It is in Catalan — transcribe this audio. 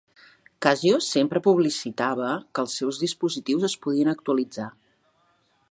Casio sempre publicitava que els seus dispositius es podien actualitzar.